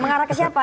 mengarah ke siapa